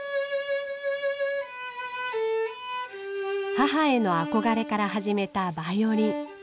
母への憧れから始めたバイオリン。